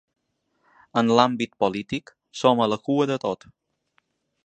En l’àmbit polític, som a la cua de tot.